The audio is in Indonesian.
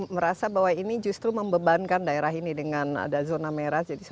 merasa bahwa ini justru membebankan daerah ini dengan ada zona merah